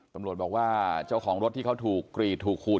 ตำรวจบอกว่าเจ้าของรถที่เขาถูกกรีดถูกขูด